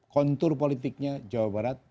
kontur politiknya jawa barat